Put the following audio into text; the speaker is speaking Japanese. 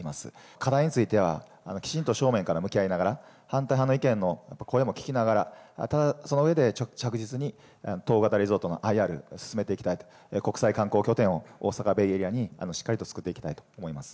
課題については、きちんと正面から向き合いながら、反対派の意見の声も聞きながら、ただ、その上で着実に、統合型リゾートのＩＲ、進めていきたいと、国際観光拠点を大阪ベイエリアにしっかりとつくっていきたいと思います。